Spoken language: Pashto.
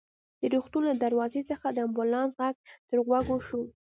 د روغتون له دروازې څخه د امبولانس غږ تر غوږو شو.